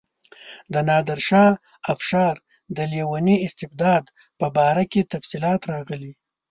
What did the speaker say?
د نادرشاه افشار د لیوني استبداد په باره کې تفصیلات راغلي.